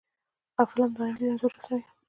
فلم د آینده انځور رسموي